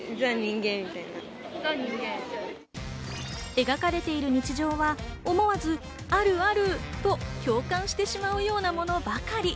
描かれている日常は思わず、あるあると共感してしまうようなものばかり。